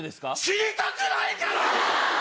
死にたくないから‼